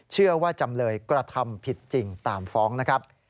เชื่อว่าจำเลยกระทำผิดจริงตามฟ้องนะครับ